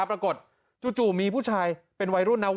ปรากฏจู่มีผู้ชายเป็นวัยรุ่นนั้น